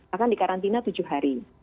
akan di karantina tujuh hari